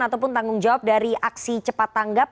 ataupun tanggung jawab dari aksi cepat tanggap